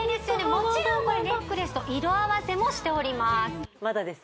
もちろんこれネックレスと色合わせもしております